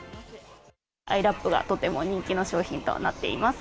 アイラップがとても人気の商品となっております。